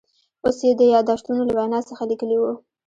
اوس یې د یاداشتونو له وینا څخه لیکلي و.